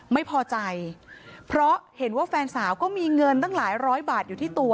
ไม่พอใจเพราะเห็นว่าแฟนสาวก็มีเงินตั้งหลายร้อยบาทอยู่ที่ตัว